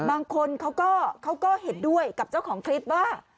บางคนเขาก็เห็นด้วยกับเจ้าของคลิปว่า